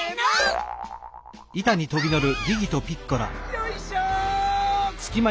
よいしょ！